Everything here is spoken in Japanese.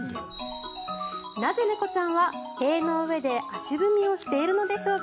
なぜ、猫ちゃんは塀の上で足踏みをしているのでしょうか。